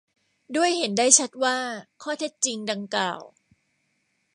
ด้วยเห็นได้ชัดว่าข้อเท็จจริงดังกล่าว